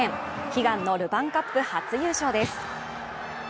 悲願のルヴァンカップ初優勝です。